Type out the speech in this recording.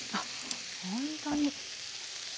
ほんとに。